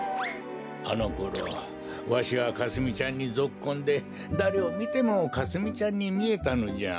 あのころわしはかすみちゃんにぞっこんでだれをみてもかすみちゃんにみえたのじゃ。